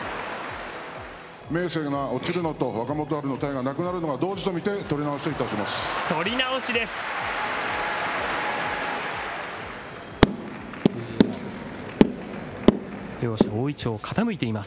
明生が落ちるのと若元春の体がなくなるのが同時と見て、取り直しといたします。